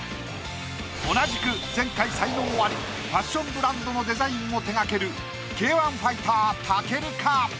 同じく前回才能アリファッションブランドのデザインも手掛けるＫ−１ファイター武尊か？